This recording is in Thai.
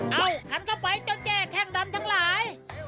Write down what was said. ขันเข้าไปเจ้าแจ้แข้งดำทั้งหลาย